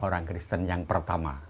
orang kristen yang pertama